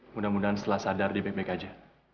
mudah mudahan setelah sadar di baik baik aja